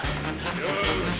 よし。